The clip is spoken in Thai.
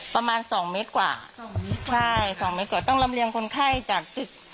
ประมาณสองเมตรกว่าสองเมตรใช่สองเมตรกว่าต้องลำเรียงคนไข้จากตึก